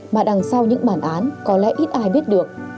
mà đằng sau những bản án có lẽ ít ai biết được